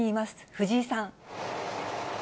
藤井さん。